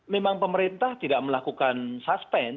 memang pemerintah tidak melakukan suspend